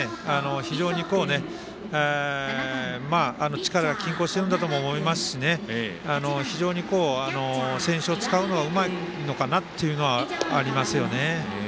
非常に力が均衡しているんだと思いますし選手を使うのがうまいのかなというのはありますよね。